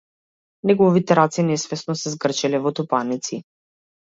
Неговите раце несвесно се згрчиле во тупаници.